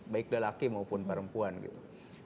baik lelaki maupun perempuan gitu